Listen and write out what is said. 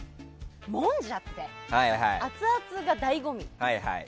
もんじゃってアツアツがだいご味。